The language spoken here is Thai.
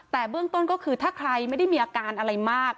แต่เบื้องต้นก็คือถ้าใครไม่ได้มีอาการอะไรมาก